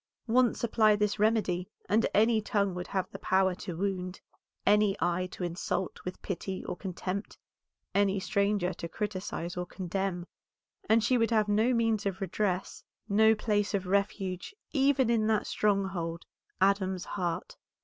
Once apply this remedy and any tongue would have the power to wound, any eye to insult with pity or contempt, any stranger to criticise or condemn, and she would have no means of redress, no place of refuge, even in that stronghold, Adam's heart.